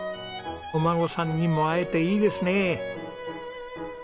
お孫さんにも会えていいですねえ。